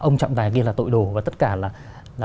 ông trọng tài như là tội đồ và tất cả là